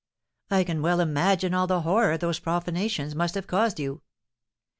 "I can well imagine all the horror these profanations must have caused you."